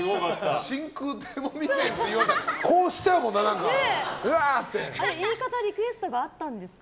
真空手もみ麺って言われたらこうしちゃうもんな。うわーって。言い方リクエストがあったんですか？